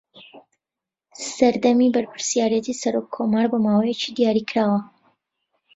سەردەمی بەرپرسایەتی سەرۆککۆمار بۆ ماوەیەکی دیاریکراوە